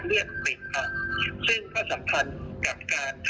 ในช่วงหมดนานนี้แล้วทำให้การมึงใจกันเสพ